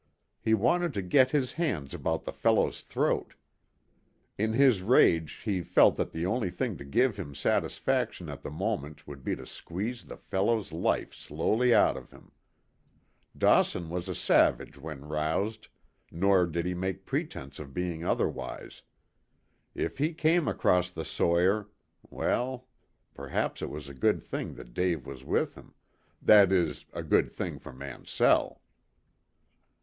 He wanted to get his hands about the fellow's throat. In his rage he felt that the only thing to give him satisfaction at the moment would be to squeeze the fellow's life slowly out of him. Dawson was a savage when roused, nor did he make pretense of being otherwise. If he came across the sawyer well, perhaps it was a good thing that Dave was with him that is, a good thing for Mansell.